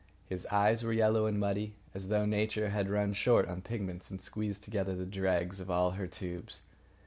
His eyes were yellow and muddy, as though Nature had run short on pigments and squeezed together the dregs of all her tubes.